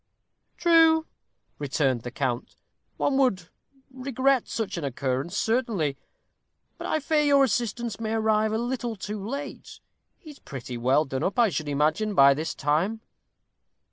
"True," returned the count; "one would regret such an occurrence, certainly. But I fear your assistance may arrive a little too late. He is pretty well done up, I should imagine, by this time."